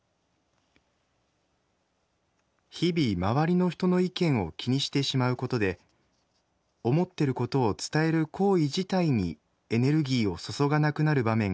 日々周りの人の意見を気にしてしまう事で思ってることを伝える行為自体にエネルギーを注がなくなる場面がある。